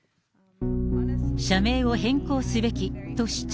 社名を変更すべきと主張。